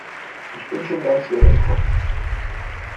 Ich bin schon ganz wirr im Kopf.